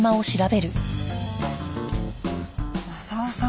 昌夫さん